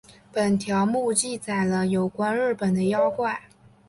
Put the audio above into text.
本条目记载了有关日本的妖怪。